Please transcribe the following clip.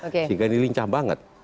sehingga ini lincah banget